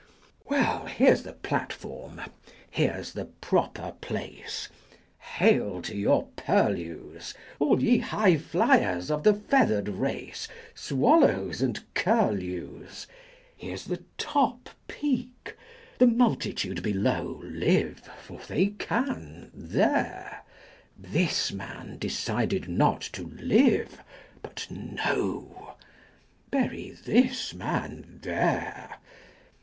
Well, here's the platform, here's the proper place: Hail to your purlieus, All ye highfliers of the feathered race, 135 Swallows and curlews! Here's the top peak; the multitude below Live, for they can, there: This man decided not to Live but Know Bury this man there?